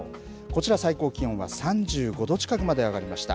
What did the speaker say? こちら最高気温は３５度近くまで上がりました。